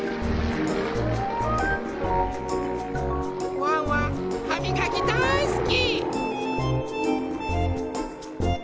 ワンワンはみがきだいすき！